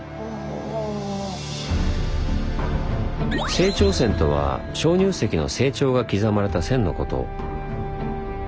成長線とは鍾乳石の成長が刻まれた線のこと。